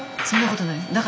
そんなことないよ